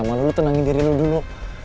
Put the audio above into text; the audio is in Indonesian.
gue mohon sama lo tenangin diri lo dulu